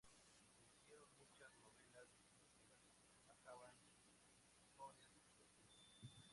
Se hicieron muchas novelas en las que trabajaban autores colectivos.